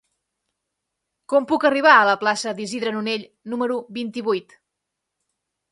Com puc arribar a la plaça d'Isidre Nonell número vint-i-vuit?